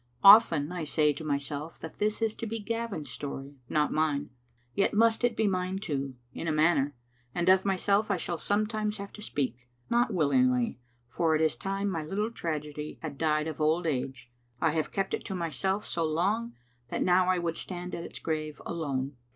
Often I say to myself that this is to be Gavin's story, not mine. Yet must it be mine too, in a manner, and of myself I shall sometimes have to speak ; not will ingly, for it is time my little tragedy had died of old age. I have kept it to myself so long that now I would stand at its grave alone.